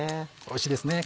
おいしいですね